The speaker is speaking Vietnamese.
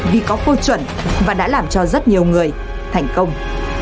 vì có khu chuẩn và đã làm cho rất nhiều người thành công